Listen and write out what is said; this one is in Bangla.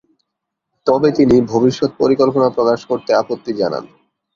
তবে তিনি ভবিষ্যত পরিকল্পনা প্রকাশ করতে আপত্তি জানান।